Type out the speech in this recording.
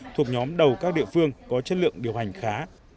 thuộc nhóm đầu các địa phương có chất lượng điều hành khá